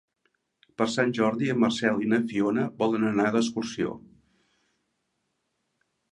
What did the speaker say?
Per Sant Jordi en Marcel i na Fiona volen anar d'excursió.